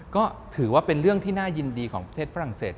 ก็ถือว่าเป็นเรื่องที่น่ายินดีของประเทศฝรั่งเศส